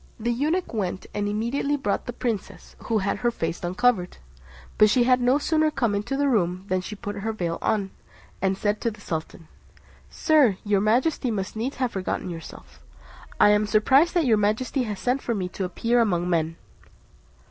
The eunuch went, and immediately brought the princess, who had her face uncovered; but she had no sooner come into the room, than she put on her veil, and said to the sultan, "Sir, your majesty must needs have forgotten yourself; I am surprised that your majesty has sent for me to appear among men."